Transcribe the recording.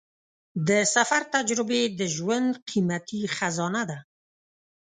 د سفر تجربې د ژوند قیمتي خزانه ده.